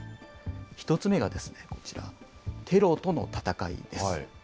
１つ目がこちら、テロとの戦いです。